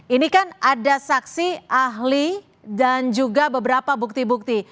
ini kan ada saksi ahli dan juga beberapa bukti bukti